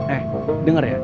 eh denger ya